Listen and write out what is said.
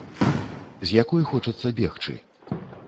З якой хочацца бегчы.